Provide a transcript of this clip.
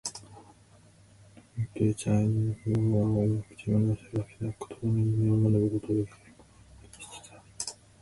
ノースウエスタン大学の研究者、アイリーン・ペパーバーグは、オウムは人の口まねをするだけでなく言葉の意味を学ぶことができることを発見しつつある。